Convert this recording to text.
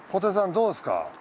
どうですか？